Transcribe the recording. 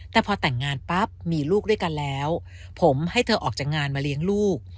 แต่พอแต่งงานปั๊บมีลูกด้วยกันแล้วผมให้เธอออกจากงานมาเลี้ยงลูก